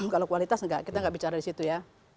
kalau kualitas nggak kita nggak bicara di situ ya